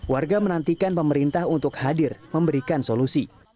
warga menantikan pemerintah untuk hadir memberikan solusi